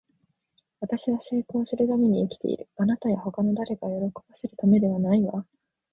私は成功するために生きている。あなたや他の誰かを喜ばせるためではないわ。